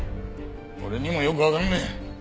俺にもよくわかんねえ。